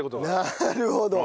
なるほど！